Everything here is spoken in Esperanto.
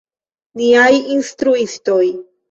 Niaj instruistoj.